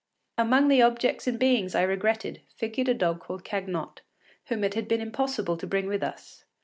Among the objects and beings I regretted figured a dog called Cagnotte, whom it had been found impossible to bring with us.